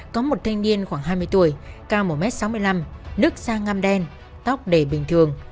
có một thanh niên khoảng hai mươi tuổi cao một m sáu mươi năm nước da ngam đen tóc đầy bình thường